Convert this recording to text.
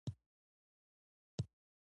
کېدلای سوای یو ناڅاپي اقدام وکړي.